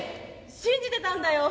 信じてたんだよ。